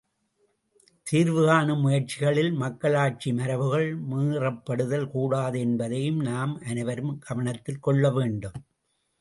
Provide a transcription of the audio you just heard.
தீர்வு காணும் முயற்சிகளில் மக்களாட்சி மரபுகள் மீறப்படுதல் கூடாது என்பதையும் நாம் அனைவரும் கவனத்தில் கொள்ளவேண்டும்.